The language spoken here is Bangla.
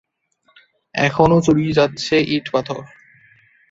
এখনও চুরি যাচ্ছে ইট-পাথর।